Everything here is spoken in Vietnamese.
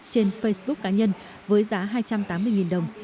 trên facebook cá nhân với giá hai trăm tám mươi đồng